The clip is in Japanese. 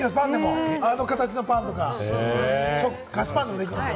あの形のパンとか、菓子パンでもできますよ。